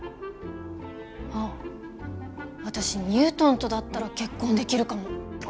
あっ私ニュートンとだったら結婚できるかも。